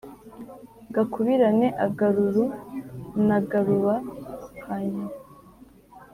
gakubirane agaruru n'agaruba ka nyoko